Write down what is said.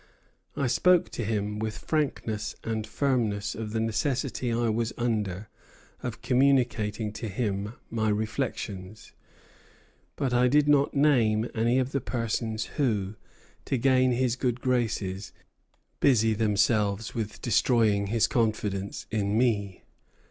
I spoke to him with frankness and firmness of the necessity I was under of communicating to him my reflections; but I did not name any of the persons who, to gain his good graces, busy themselves with destroying his confidence in me.